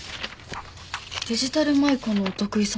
デジタル舞子のお得意様だけど。